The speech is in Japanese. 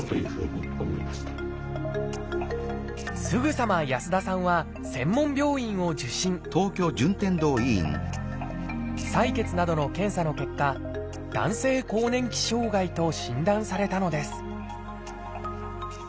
すぐさま安田さんは専門病院を受診採血などの検査の結果「男性更年期障害」と診断されたのです